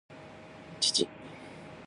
父